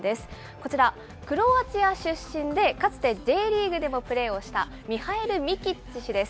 こちら、クロアチア出身でかつてＪリーグでもプレーをしたミハエル・ミキッチ氏です。